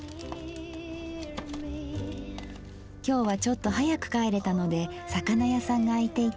今日はちょっと早く帰れたので魚屋さんが開いていて。